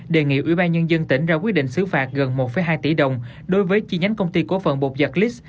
đề nghị ubnd tỉnh ra quyết định xử phạt gần một hai tỷ đồng đối với chi nhánh công ty cổ phần bột giặc lix